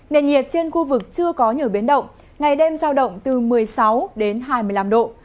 nền nhiệt trên khu vực chưa có nhiều biến động ngày đêm giao động từ một mươi sáu đến hai mươi năm độ